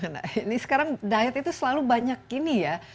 nah ini sekarang diet itu selalu banyak ini ya